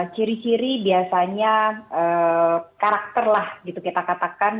ciri ciri biasanya karakter lah gitu kita katakan